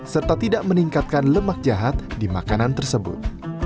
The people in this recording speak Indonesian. serta tidak meningkatkan lemak jahat di makanan tersebut